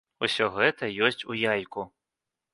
Усё гэта ёсць у яйку.